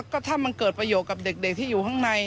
ก็ถ้ามันเกิดประโยชน์กับเด็กที่อยู่ข้างใน